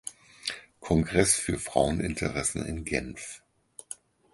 Kongress für Fraueninteressen in Genf.